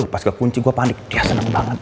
pas kekunci gue panik dia seneng banget